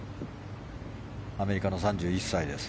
アメリカの３１歳です。